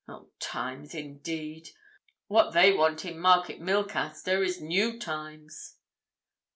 Old times, indeed!—what they want in Market Milcaster is new times."